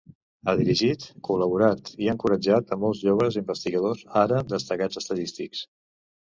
Ha dirigit, col·laborat i encoratjat a molts joves investigadors ara destacats estadístics.